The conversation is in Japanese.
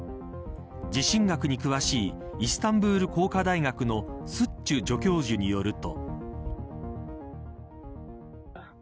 地震学に詳しいイスタンブール工科大学のスッチュ助教授によると。